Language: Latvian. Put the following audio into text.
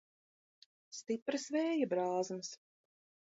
Stipras vēja brāzmas.